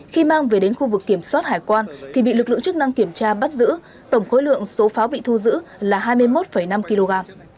khi mang về đến khu vực kiểm soát hải quan thì bị lực lượng chức năng kiểm tra bắt giữ tổng khối lượng số pháo bị thu giữ là hai mươi một năm kg